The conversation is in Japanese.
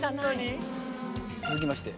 続きまして。